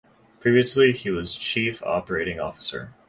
Previously he was Chief Operating Officer.